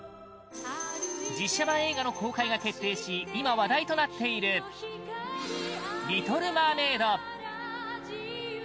実写版映画の公開が決定し今、話題となっている「リトル・マーメイド」